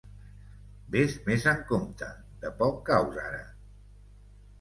Ves més amb compte: de poc caus, ara.